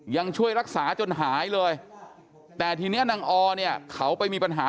ยังช่วยรักษาจนหายเลยแต่ทีนี้นางอเนี่ยเขาไปมีปัญหา